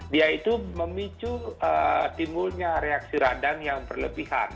dia itu memicu timbulnya reaksi radang yang berlebihan